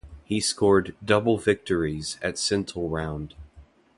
He scored double victories at Sentul round.